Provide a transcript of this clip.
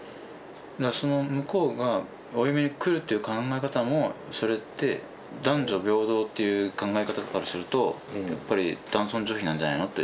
その向こうがお嫁に来るっていう考え方もそれって男女平等っていう考え方からするとやっぱり男尊女卑なんじゃないのって。